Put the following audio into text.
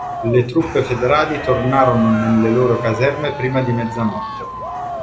Le truppe federali tornarono nelle loro caserme prima di mezzanotte.